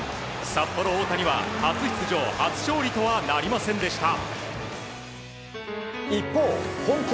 札幌大谷は初出場初勝利とはなりませんでした。